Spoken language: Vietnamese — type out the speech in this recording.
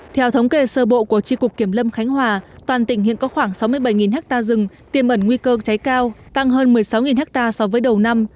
theo thống kê sơ bộ của tri cục kiểm lâm khánh hòa toàn tỉnh hiện có khoảng sáu mươi bảy ha rừng tiêm ẩn nguy cơ cháy cao tăng hơn một mươi sáu ha so với đầu năm